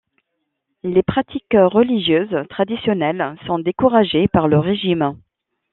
Les pratiques religieuses traditionnelles sont découragées par le régime.